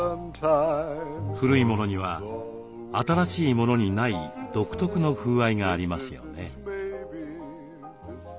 古いものには新しいものにない独特の風合いがありますよね。